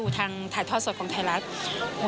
ที่มีโอกาสได้ไปชม